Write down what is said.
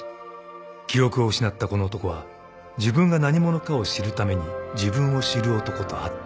［記憶を失ったこの男は自分が何者かを知るために自分を知る男と会った］